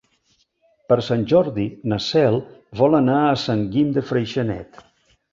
Per Sant Jordi na Cel vol anar a Sant Guim de Freixenet.